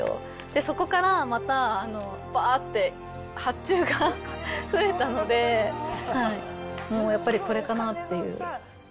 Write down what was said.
そこからまたばーって発注が増えたので、もうやっぱり、これかなっていう。